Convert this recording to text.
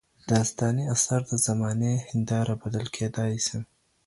داستاني اثار د زمانې هنداره بلل کيدای سي.